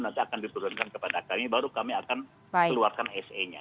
nanti akan diturunkan kepada kami baru kami akan keluarkan se nya